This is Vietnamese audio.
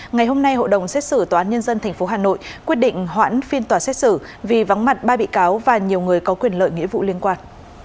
ngày hôm nay hội đồng xét xử tòa án nhân dân tp hà nội quyết định hoãn phiên tòa xét xử vì vắng mặt ba bị cáo và nhiều người có quyền lợi nghĩa vụ liên quan